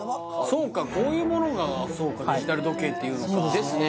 そうかこういうものがそうかデジタル時計っていうのかですね